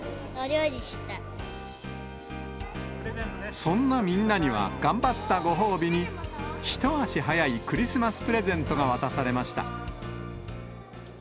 そんなみんなには、頑張ったご褒美に、一足早いクリスマスプレゼントが渡されました。